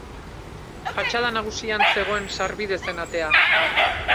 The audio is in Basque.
Fatxada nagusian zegoen sarbide zen atea.